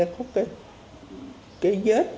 có cái vết